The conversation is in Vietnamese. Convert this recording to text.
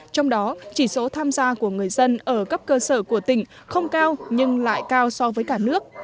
trong đó chỉ số tham gia của người dân ở cấp cơ sở của tỉnh không cao nhưng lại cao so với cả nước